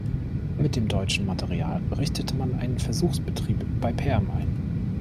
Mit dem deutschen Material richtete man einen Versuchsbetrieb bei Perm ein.